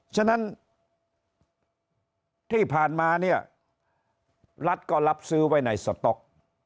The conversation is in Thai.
ฉะนั้นที่ผ่านมาเนี่ยรัฐก็รับซื้อไว้ในสต๊อก